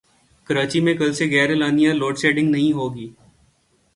کراچی میں کل سے غیراعلانیہ لوڈشیڈنگ نہیں ہوگی